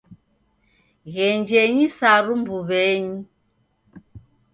Ghenjenyi saru mbuw'enyi